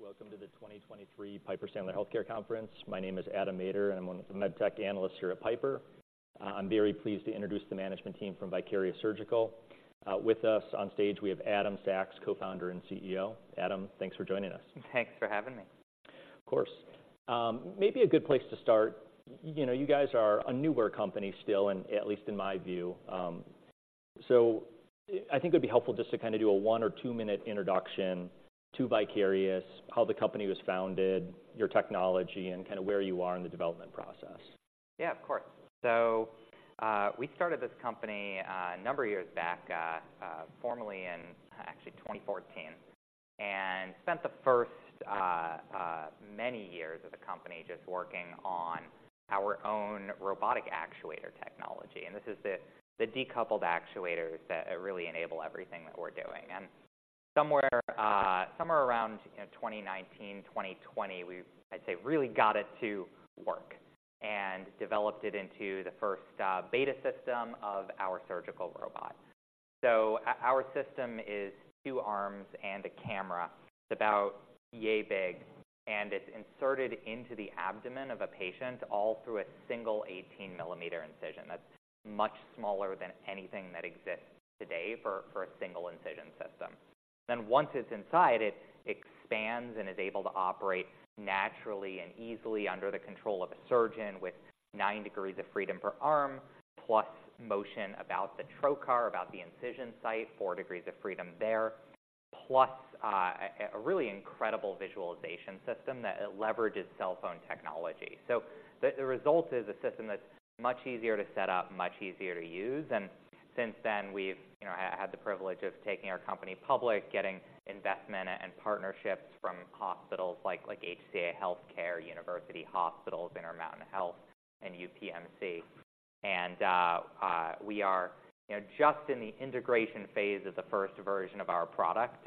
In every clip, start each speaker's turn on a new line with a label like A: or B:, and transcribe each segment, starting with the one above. A: Good morning. Welcome to the 2023 Piper Sandler Healthcare Conference. My name is Adam Maeder, and I'm one of the med tech analysts here at Piper. I'm very pleased to introduce the management team from Vicarious Surgical. With us on stage, we have Adam Sachs, co-founder and CEO. Adam, thanks for joining us.
B: Thanks for having me.
A: Of course. Maybe a good place to start, you know, you guys are a newer company still, and at least in my view, so I think it'd be helpful just to kind of do a one or two-minute introduction to Vicarious, how the company was founded, your technology, and kind of where you are in the development process.
B: Yeah, of course. So, we started this company a number of years back, formally in actually 2014, and spent the first many years of the company just working on our own robotic actuator technology. And this is the decoupled actuators that really enable everything that we're doing. And somewhere around, you know, 2019, 2020, we, I'd say, really got it to work and developed it into the first beta system of our surgical robot. So our system is two arms and a camera. It's about yay big, and it's inserted into the abdomen of a patient all through a single 18-millimeter incision. That's much smaller than anything that exists today for a single incision system. Then once it's inside, it expands and is able to operate naturally and easily under the control of a surgeon with nine degrees of freedom per arm, plus motion about the trocar, about the incision site, four degrees of freedom there, plus a really incredible visualization system that leverages cell phone technology. So the result is a system that's much easier to set up, much easier to use. And since then, we've, you know, had the privilege of taking our company public, getting investment and partnerships from hospitals like, like HCA Healthcare, University Hospitals, Intermountain Healthcare, and UPMC. And we are, you know, just in the integration phase of the first version of our product,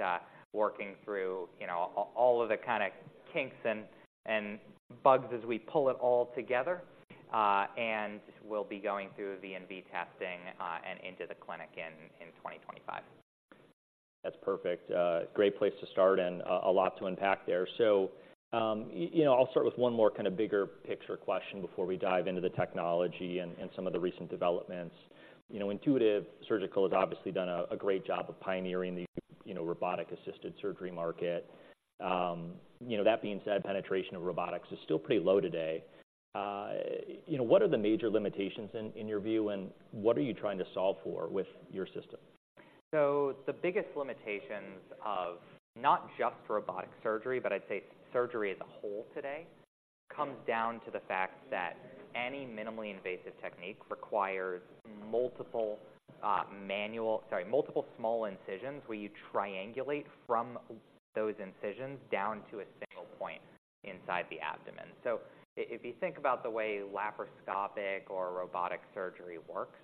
B: working through, you know, all of the kind of kinks and bugs as we pull it all together. We'll be going through the V&V testing and into the clinic in 2025.
A: That's perfect. Great place to start and, a lot to unpack there. So, you know, I'll start with one more kind of bigger picture question before we dive into the technology and, and some of the recent developments. You know, Intuitive Surgical has obviously done a great job of pioneering the, you know, robotic-assisted surgery market. You know, that being said, penetration of robotics is still pretty low today. You know, what are the major limitations in, in your view, and what are you trying to solve for with your system?
B: So the biggest limitations of not just robotic surgery, but I'd say surgery as a whole today, comes down to the fact that any minimally invasive technique requires multiple small incisions, where you triangulate from those incisions down to a single point inside the abdomen. So if you think about the way laparoscopic or robotic surgery works,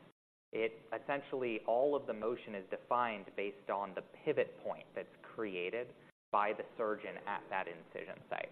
B: it essentially, all of the motion is defined based on the pivot point that's created by the surgeon at that incision site.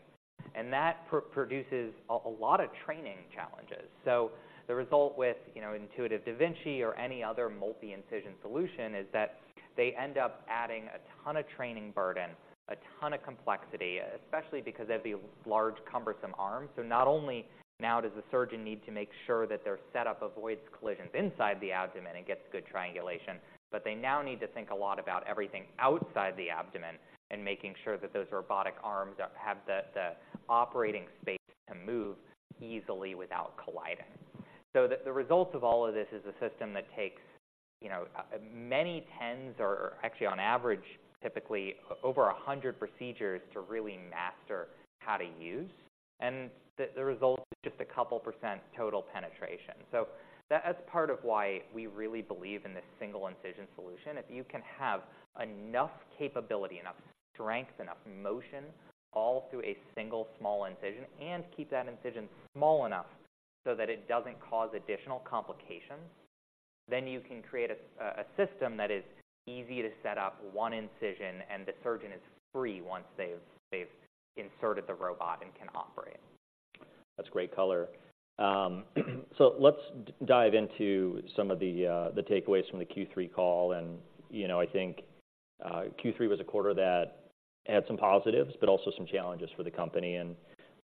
B: And that produces a lot of training challenges. So the result with, you know, Intuitive da Vinci or any other multi-incision solution, is that they end up adding a ton of training burden, a ton of complexity, especially because they have these large, cumbersome arms. So not only now does the surgeon need to make sure that their setup avoids collisions inside the abdomen and gets good triangulation, but they now need to think a lot about everything outside the abdomen, and making sure that those robotic arms have the operating space to move easily without colliding. So the result of all of this is a system that takes, you know, many tens, or actually, on average, typically over 100 procedures to really master how to use, and the result is just a couple % total penetration. So that's part of why we really believe in this single incision solution. If you can have enough capability, enough strength, enough motion, all through a single small incision, and keep that incision small enough so that it doesn't cause additional complications, then you can create a system that is easy to set up, one incision, and the surgeon is free once they've inserted the robot and can operate.
A: That's great color. So let's dive into some of the takeaways from the Q3 call. And, you know, I think Q3 was a quarter that had some positives, but also some challenges for the company. And,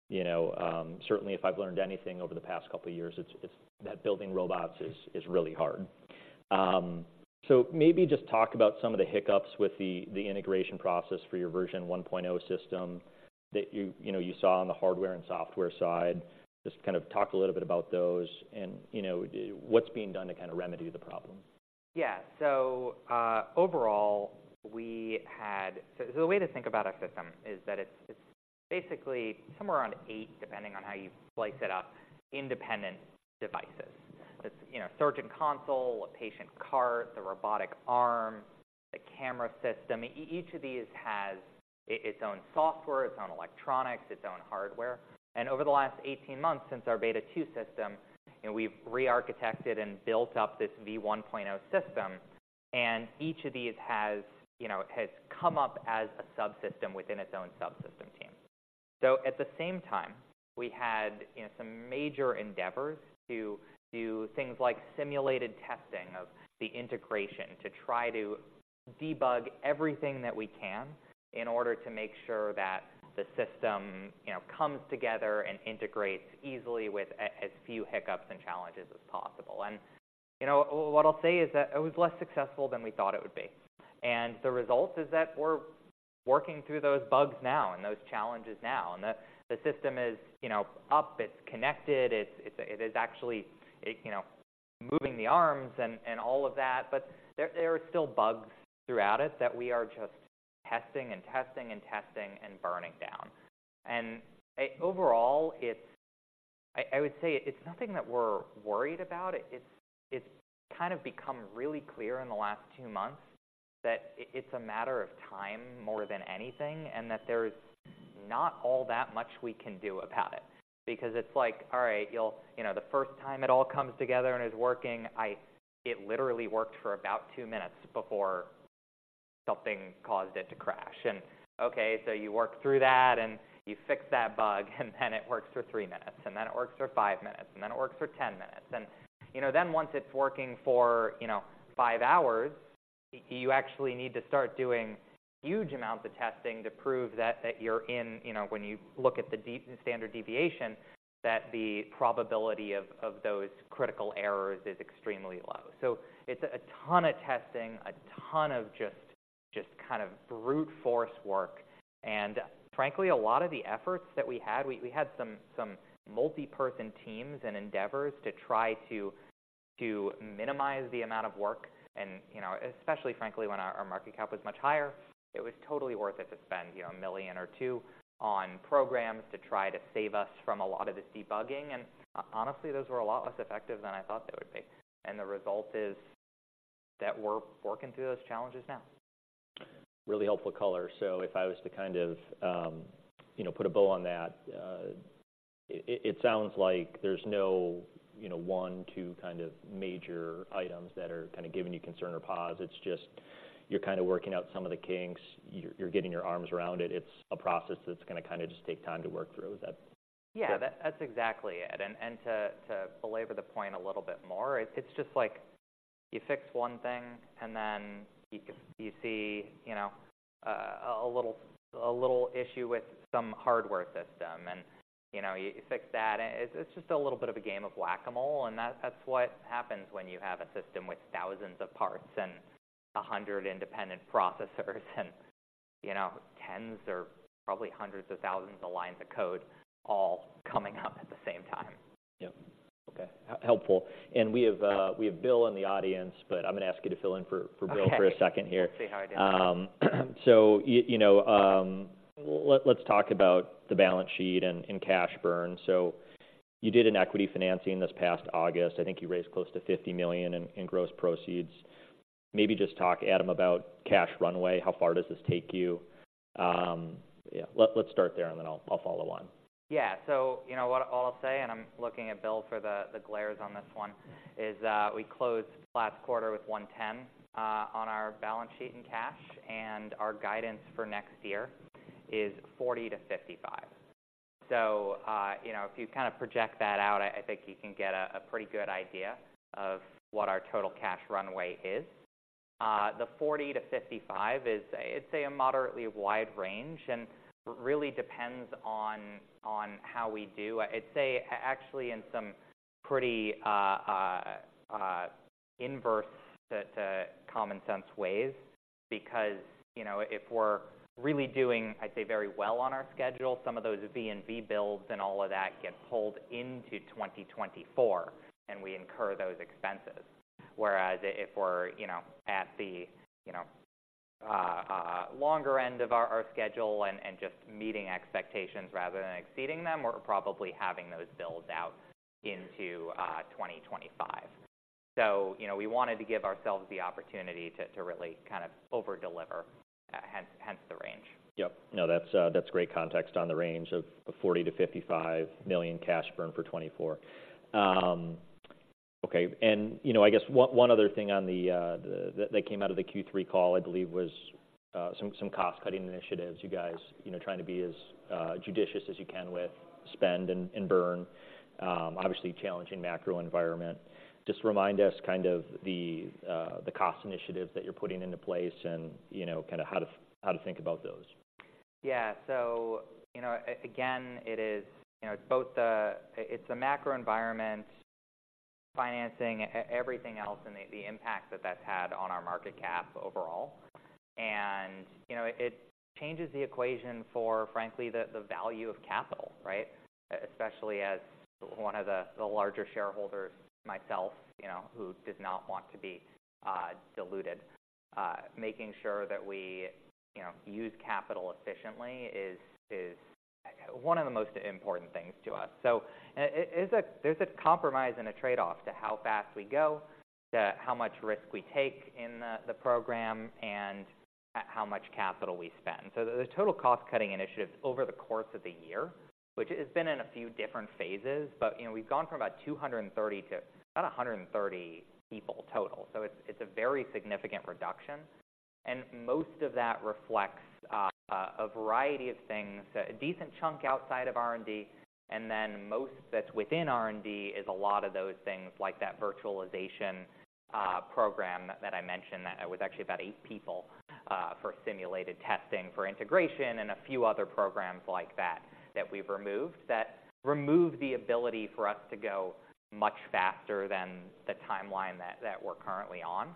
A: you know, certainly if I've learned anything over the past couple of years, it's that building robots is really hard. So maybe just talk about some of the hiccups with the integration process for your Version 1.0 System that you, you know, you saw on the hardware and software side. Just kind of talk a little bit about those and, you know, what's being done to kind of remedy the problem.
B: Yeah. So, overall, the way to think about our system is that it's, it's basically somewhere around 8, depending on how you slice it up, independent devices. It's, you know, surgeon console, a patient cart, the robotic arm, the camera system. Each of these has its own software, its own electronics, its own hardware. And over the last 18 months, since our Beta 2 system, and we've rearchitected and built up this V1.0 system, and each of these has, you know, has come up as a subsystem within its own subsystem. So at the same time, we had, you know, some major endeavors to do things like simulated testing of the integration, to try to debug everything that we can in order to make sure that the system, you know, comes together and integrates easily with as few hiccups and challenges as possible. And, you know, what I'll say is that it was less successful than we thought it would be, and the result is that we're working through those bugs now and those challenges now, and the system is, you know, up, it's connected, it's actually, you know, moving the arms and all of that. But there are still bugs throughout it that we are just testing and testing and testing and burning down. And overall, it's... I would say it's nothing that we're worried about. It's kind of become really clear in the last two months that it's a matter of time more than anything, and that there's not all that much we can do about it. Because it's like, all right, you'll—you know, the first time it all comes together and is working, it literally worked for about two minutes before something caused it to crash. Okay, so you work through that, and you fix that bug, and then it works for three minutes, and then it works for five minutes, and then it works for 10 minutes. You know, then once it's working for, you know, five hours, you actually need to start doing huge amounts of testing to prove that, that you're in, you know, when you look at the standard deviation, that the probability of those critical errors is extremely low. So it's a ton of testing, a ton of just kind of brute force work. Frankly, a lot of the efforts that we had, we had some multiperson teams and endeavors to try to minimize the amount of work and, you know, especially frankly, when our market cap was much higher, it was totally worth it to spend, you know, $1 million or $2 million on programs to try to save us from a lot of this debugging. Honestly, those were a lot less effective than I thought they would be. The result is that we're working through those challenges now.
A: Really helpful color. So if I was to kind of, you know, put a bow on that, it sounds like there's no, you know, one, two kind of major items that are kind of giving you concern or pause. It's just, you're kind of working out some of the kinks, you're getting your arms around it. It's a process that's gonna kind of just take time to work through. Is that-
B: Yeah, that's exactly it. And to belabor the point a little bit more, it's just like you fix one thing, and then you see, you know, a little issue with some hardware system, and, you know, you fix that. And it's just a little bit of a game of Whac-A-Mole, and that's what happens when you have a system with thousands of parts and 100 independent processors and, you know, tens or probably hundreds of thousands of lines of code all coming up at the same time.
A: Yep. Okay, helpful. And we have, we have Bill in the audience, but I'm gonna ask you to fill in for Bill for a second here.
B: See how I do.
A: You know, let's talk about the balance sheet and cash burn. So you did an equity financing this past August. I think you raised close to $50 million in gross proceeds. Maybe just talk, Adam, about cash runway. How far does this take you? Yeah, let's start there, and then I'll follow on.
B: Yeah. So, you know what, I'll say, and I'm looking at Bill for the glares on this one, is we closed last quarter with $110 million on our balance sheet in cash, and our guidance for next year is $40 million-$55 million. So, you know, if you kind of project that out, I think you can get a pretty good idea of what our total cash runway is. The $40 million-$55 million is, I'd say, a moderately wide range and really depends on how we do. I'd say actually in some pretty inverse to common sense ways, because, you know, if we're really doing, I'd say, very well on our schedule, some of those V&V builds and all of that get pulled into 2024, and we incur those expenses. Whereas if we're, you know, at the, you know, longer end of our schedule and just meeting expectations rather than exceeding them, we're probably having those builds out into 2025. So, you know, we wanted to give ourselves the opportunity to really kind of overdeliver, hence the range.
A: Yep. No, that's, that's great context on the range of $40 million-$55 million cash burn for 2024. Okay, and, you know, I guess one other thing on that that came out of the Q3 call, I believe, was some cost-cutting initiatives. You guys, you know, trying to be as judicious as you can with spend and burn. Obviously, challenging macro environment. Just remind us kind of the cost initiatives that you're putting into place and, you know, kind of how to think about those.
B: Yeah. So, you know, again, it is, you know, both the... It's the macro environment, financing, everything else, and the impact that that's had on our market cap overall. And, you know, it changes the equation for, frankly, the value of capital, right? Especially as one of the larger shareholders, myself, you know, who does not want to be diluted. Making sure that we, you know, use capital efficiently is one of the most important things to us. So, it, it's a- there's a compromise and a trade-off to how fast we go, to how much risk we take in the program, and how much capital we spend. So the total cost-cutting initiatives over the course of the year, which has been in a few different phases, but, you know, we've gone from about 230 to about 130 people total. So it's a very significant reduction. And most of that reflects a variety of things, a decent chunk outside of R&D, and then most that's within R&D is a lot of those things, like that virtualization program that I mentioned, that was actually about eight people for simulated testing, for integration, and a few other programs like that, that we've removed, that remove the ability for us to go much faster than the timeline that we're currently on.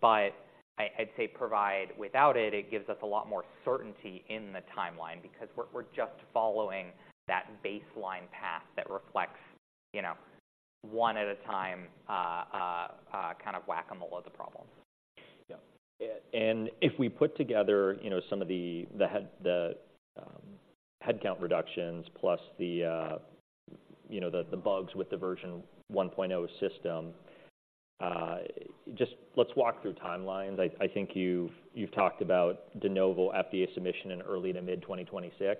B: But I'd say provide, without it, it gives us a lot more certainty in the timeline, because we're just following that baseline path that reflects, you know, one at a time, kind of whack-a-mole of the problem.
A: Yeah. And if we put together, you know, some of the headcount reductions plus the bugs with the Version 1.0 System, just let's walk through timelines. I think you've talked about de novo FDA submission in early to mid-2026.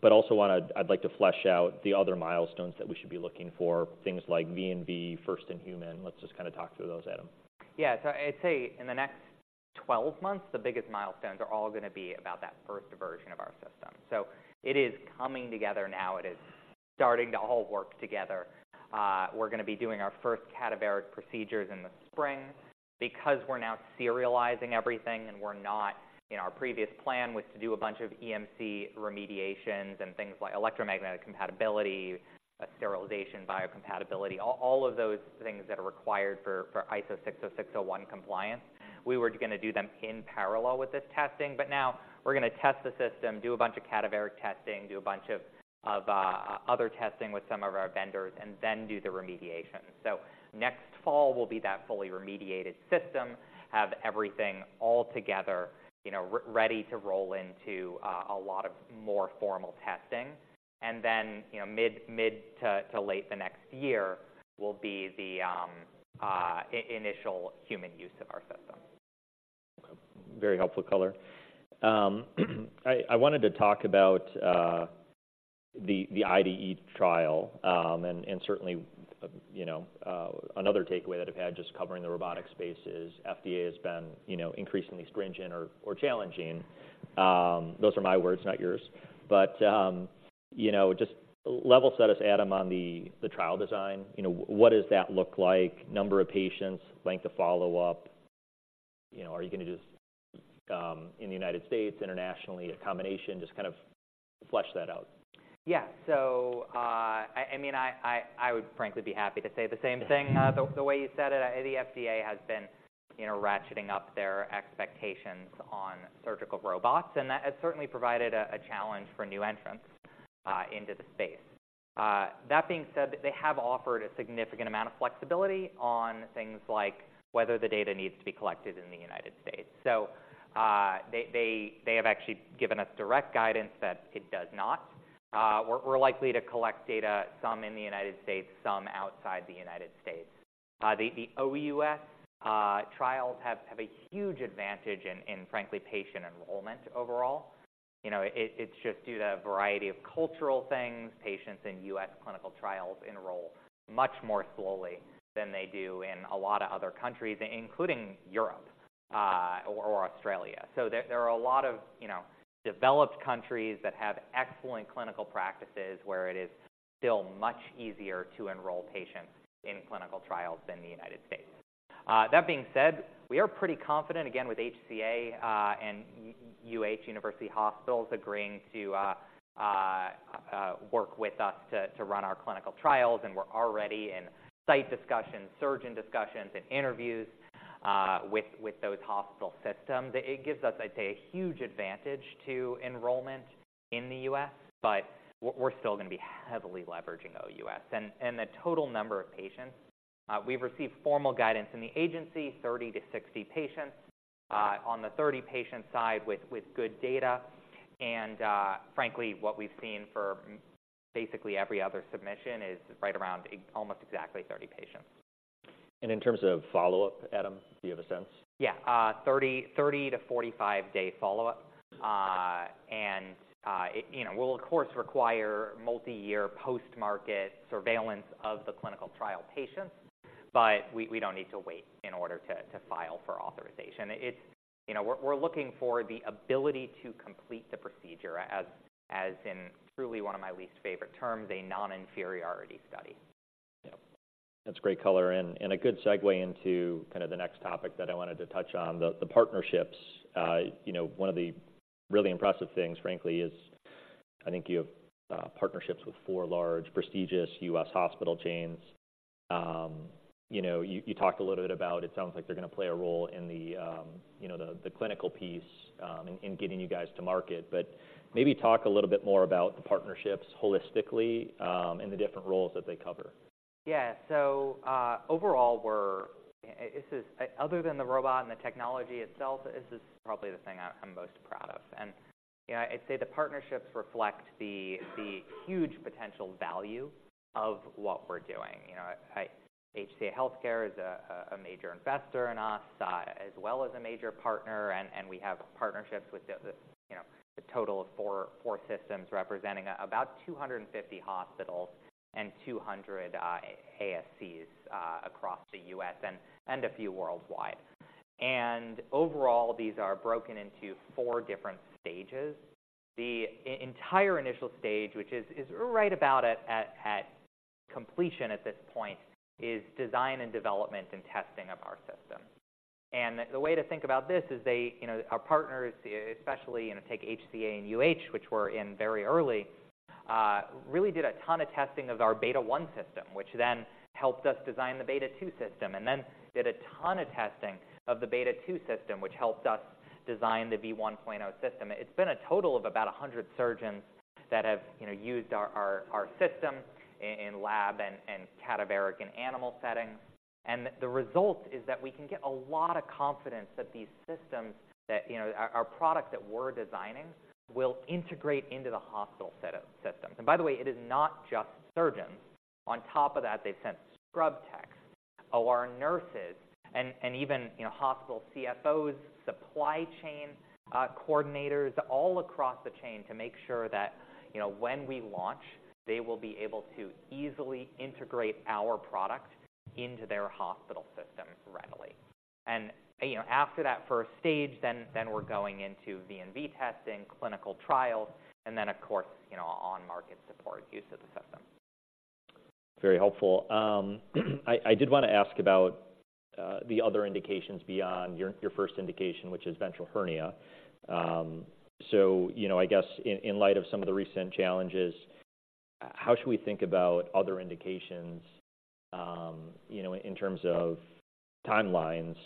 A: But also I'd like to flesh out the other milestones that we should be looking for, things like V&V, First in Human. Let's just kinda talk through those, Adam.
B: Yeah. So I'd say in the next 12 months, the biggest milestones are all gonna be about that first version of our system. So it is coming together now. It is starting to all work together. We're gonna be doing our first cadaveric procedures in the spring because we're now serializing everything, and we're not... You know, our previous plan was to do a bunch of EMC remediations and things like electromagnetic compatibility, sterilization, biocompatibility, all, all of those things that are required for ISO 60601 compliance. We were gonna do them in parallel with this testing, but now we're gonna test the system, do a bunch of cadaveric testing, do a bunch of other testing with some of our vendors, and then do the remediation. So next fall will be that fully remediated system, have everything all together, you know, ready to roll into a lot of more formal testing. And then, you know, mid- to late the next year will be the initial human use of our system.
A: Very helpful color. I wanted to talk about the IDE trial. Certainly, you know, another takeaway that I've had just covering the robotic space is FDA has been, you know, increasingly stringent or challenging. Those are my words, not yours. But, you know, just level set us, Adam, on the trial design. You know, what does that look like? Number of patients, length of follow-up, you know, are you gonna just in the United States, internationally, a combination? Just kind of flesh that out.
B: Yeah. So, I mean, I would frankly be happy to say the same thing, the way you said it. The FDA has been, you know, ratcheting up their expectations on surgical robots, and that has certainly provided a challenge for new entrants into the space. That being said, they have offered a significant amount of flexibility on things like whether the data needs to be collected in the United States. So, they have actually given us direct guidance that it does not. We're likely to collect data, some in the United States, some outside the United States. The OUS trials have a huge advantage in frankly patient enrollment overall. You know, it's just due to a variety of cultural things. Patients in U.S. clinical trials enroll much more slowly than they do in a lot of other countries, including Europe or Australia. So there are a lot of, you know, developed countries that have excellent clinical practices where it is still much easier to enroll patients in clinical trials than the United States. That being said, we are pretty confident, again, with HCA and UH, University Hospitals agreeing to work with us to run our clinical trials, and we're already in site discussions, surgeon discussions, and interviews with those hospital systems. It gives us, I'd say, a huge advantage to enrollment in the U.S., but we're still gonna be heavily leveraging OUS. And the total number of patients we've received formal guidance in the agency, 30 patients-60 patients, on the 30-patient side with good data. And frankly, what we've seen for basically every other submission is right around almost exactly 30 patients.
A: In terms of follow-up, Adam, do you have a sense?
B: Yeah, 30- to 45-day follow-up. And it, you know, we'll of course require multiyear post-market surveillance of the clinical trial patients, but we don't need to wait in order to file for authorization. It's you know, we're looking for the ability to complete the procedure, as in truly one of my least favorite terms, a non-inferiority study.
A: Yeah. That's great color and, and a good segue into kind of the next topic that I wanted to touch on, the, the partnerships. You know, one of the really impressive things, frankly, is I think you have partnerships with four large, prestigious U.S. hospital chains. You know, you, you talked a little bit about it. It sounds like they're going to play a role in the, you know, the, the clinical piece, in, in getting you guys to market. But maybe talk a little bit more about the partnerships holistically, and the different roles that they cover.
B: Yeah. So, overall, we're... This is—Other than the robot and the technology itself, this is probably the thing I, I'm most proud of. And, you know, I'd say the partnerships reflect the huge potential value of what we're doing. You know, HCA Healthcare is a major investor in us as well as a major partner, and we have partnerships with the, you know, a total of four systems representing about 250 hospitals and 200 ASCs across the U.S. and a few worldwide. And overall, these are broken into four different stages. The entire initial stage, which is right about at completion at this point, is design and development and testing of our system. And the way to think about this is they, you know, our partners, especially, you know, take HCA and UH, which were in very early, really did a ton of testing of our Beta 1 system, which then helped us design the Beta 2 system, and then did a ton of testing of the Beta 2 system, which helped us design the V1.0 system. It's been a total of about 100 surgeons that have, you know, used our system in lab and cadaveric and animal settings. And the result is that we can get a lot of confidence that these systems that, you know, our product that we're designing will integrate into the hospital setup systems. And by the way, it is not just surgeons. On top of that, they've sent scrub techs, OR nurses, and even, you know, hospital CFOs, supply chain coordinators, all across the chain to make sure that, you know, when we launch, they will be able to easily integrate our product into their hospital system readily. You know, after that first stage, then we're going into V&V testing, clinical trials, and then, of course, you know, on-market support use of the system.
A: Very helpful. I did want to ask about the other indications beyond your first indication, which is ventral hernia. So, you know, I guess in light of some of the recent challenges, how should we think about other indications, you know, in terms of timelines?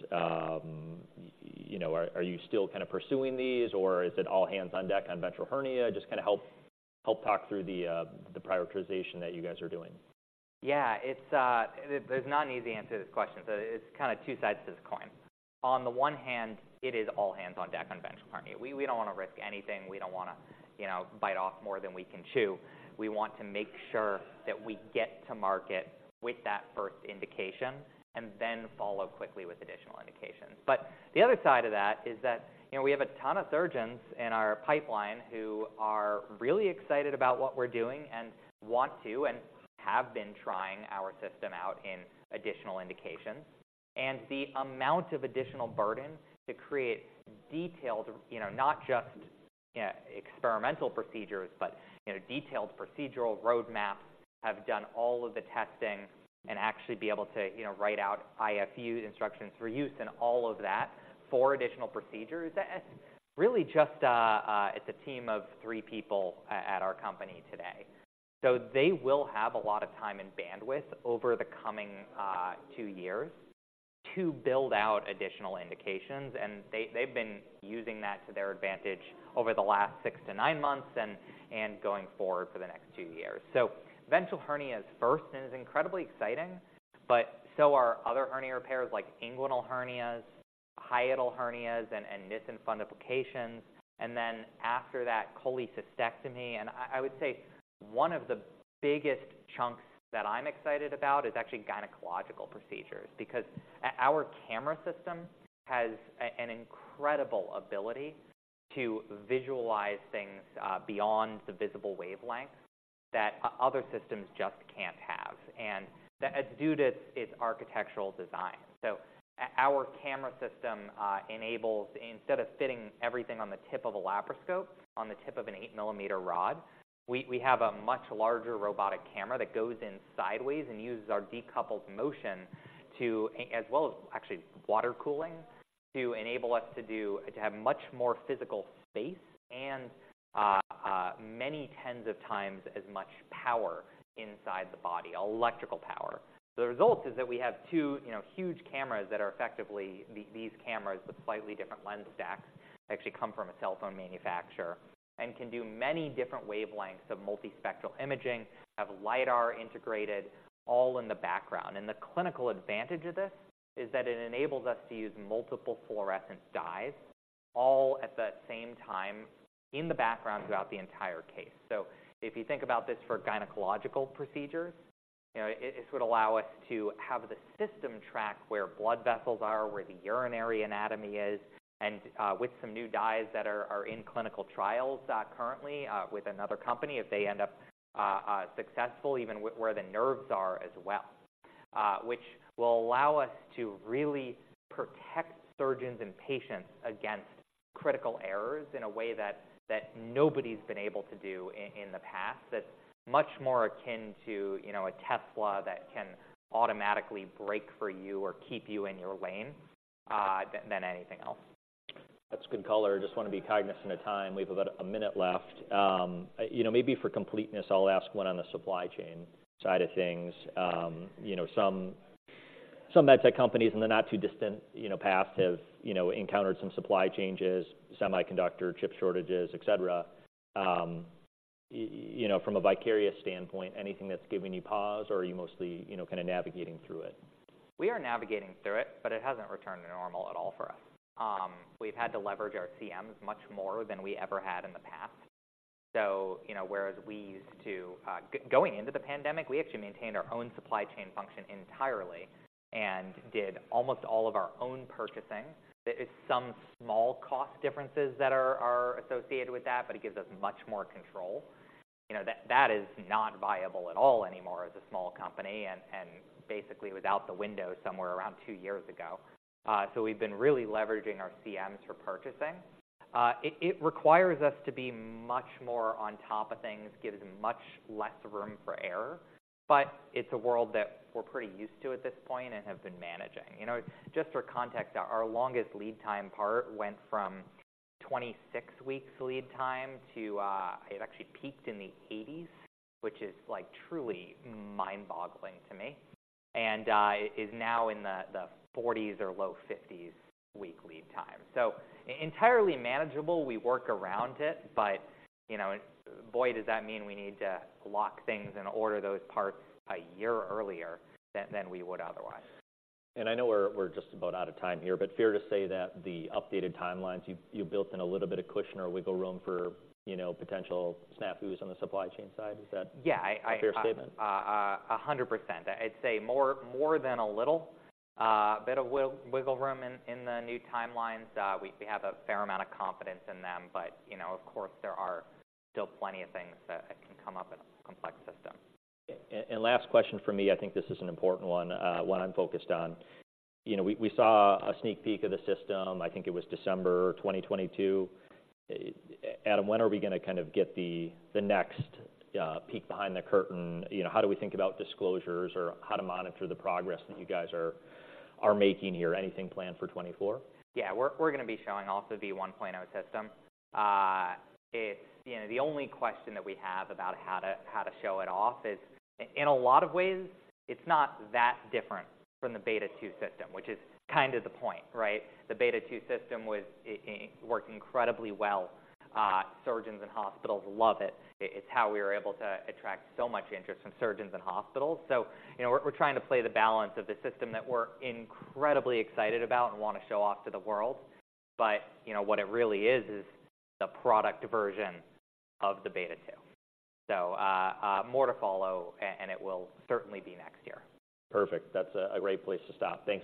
A: You know, are you still kind of pursuing these, or is it all hands on deck on ventral hernia? Just kinda help talk through the prioritization that you guys are doing.
B: Yeah, it's... There's not an easy answer to this question. So it's kinda two sides to this coin. On the one hand, it is all hands on deck on ventral hernia. We don't want to risk anything. We don't wanna, you know, bite off more than we can chew. We want to make sure that we get to market with that first indication and then follow quickly with additional indications. But the other side of that is that, you know, we have a ton of surgeons in our pipeline who are really excited about what we're doing and want to, and have been trying our system out in additional indications. And the amount of additional burden to create detailed, you know, not just experimental procedures, but, you know, detailed procedural roadmaps, have done all of the testing, and actually be able to, you know, write out IFU instructions for use and all of that for additional procedures. It's really just a. It's a team of three people at our company today. So they will have a lot of time and bandwidth over the coming two years to build out additional indications, and they've been using that to their advantage over the last six to nine months and going forward for the next two years. So ventral hernia is first, and it's incredibly exciting, but so are other hernia repairs, like inguinal hernias, hiatal hernias, and Nissen fundoplications. And then after that, cholecystectomy. I would say one of the biggest chunks that I'm excited about is actually gynecological procedures, because our camera system has an incredible ability to visualize things beyond the visible wavelength that other systems just can't have, and that is due to its architectural design. Our camera system enables, instead of fitting everything on the tip of a laparoscope, on the tip of an 8-millimeter rod, we have a much larger robotic camera that goes in sideways and uses our decoupled motion to, as well as actually water cooling, to enable us to have much more physical space and many tens of times as much power inside the body, electrical power. The result is that we have two, you know, huge cameras that are effectively these cameras with slightly different lens stacks, actually come from a cell phone manufacturer, and can do many different wavelengths of multispectral imaging, have Lidar integrated all in the background. And the clinical advantage of this is that it enables us to use multiple fluorescent dyes all at that same time in the background throughout the entire case. So if you think about this for gynecological procedures, you know, it would allow us to have the system track where blood vessels are, where the urinary anatomy is, and with some new dyes that are in clinical trials currently with another company, if they end up successful, even where the nerves are as well. Which will allow us to really protect surgeons and patients against critical errors in a way that nobody's been able to do in the past, that's much more akin to, you know, a Tesla that can automatically brake for you or keep you in your lane, than anything else.
A: That's good color. Just want to be cognizant of time. We have about a minute left. You know, maybe for completeness, I'll ask one on the supply chain side of things. You know, some med tech companies in the not-too-distant past have encountered some supply changes, semiconductor, chip shortages, etc. You know, from a Vicarious standpoint, anything that's giving you pause, or are you mostly kind of navigating through it?
B: We are navigating through it, but it hasn't returned to normal at all for us. We've had to leverage our CMs much more than we ever had in the past. So, you know, whereas we used to, going into the pandemic, we actually maintained our own supply chain function entirely and did almost all of our own purchasing. There is some small cost differences that are associated with that, but it gives us much more control. You know, that is not viable at all anymore as a small company and basically was out the window somewhere around two years ago. So we've been really leveraging our CMs for purchasing. It requires us to be much more on top of things, gives much less room for error, but it's a world that we're pretty used to at this point and have been managing. You know, just for context, our longest lead time part went from 26 weeks lead time to, it actually peaked in the 80s, which is, like, truly mind-boggling to me, and is now in the 40s or low 50s week lead time. So entirely manageable. We work around it, but, you know, boy, does that mean we need to lock things and order those parts a year earlier than we would otherwise.
A: And I know we're just about out of time here, but fair to say that the updated timelines, you've built in a little bit of cushion or wiggle room for, you know, potential snafus on the supply chain side. Is that-
B: Yeah,
A: A fair statement?
B: 100%. I'd say more than a little bit of wiggle room in the new timelines. We have a fair amount of confidence in them, but you know, of course, there are still plenty of things that can come up in a complex system.
A: Last question for me, I think this is an important one, one I'm focused on. You know, we, we saw a sneak peek of the system, I think it was December 2022. Adam, when are we gonna kind of get the, the next, peek behind the curtain? You know, how do we think about disclosures or how to monitor the progress that you guys are, are making here? Anything planned for 2024?
B: Yeah, we're gonna be showing off the V1.0 system. It's... You know, the only question that we have about how to show it off is, in a lot of ways, it's not that different from the Beta 2 system, which is kind of the point, right? The Beta 2 system worked incredibly well. Surgeons and hospitals love it. It's how we were able to attract so much interest from surgeons and hospitals. So, you know, we're trying to play the balance of the system that we're incredibly excited about and want to show off to the world. But, you know, what it really is, is the product version of the Beta 2. So, more to follow, and it will certainly be next year.
A: Perfect. That's a great place to stop. Thank you.